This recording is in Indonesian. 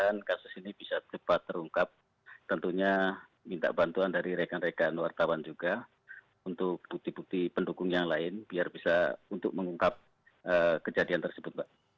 kasus ini bisa cepat terungkap tentunya minta bantuan dari rekan rekan wartawan juga untuk bukti bukti pendukung yang lain biar bisa untuk mengungkap kejadian tersebut mbak